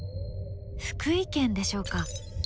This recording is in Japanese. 福井県でしょうか？